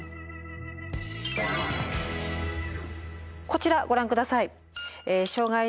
こちらご覧下さい。